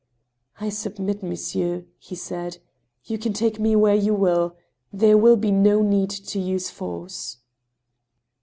I submit, monsieur," he said ;" you can take me where you will. There will be no need to use force."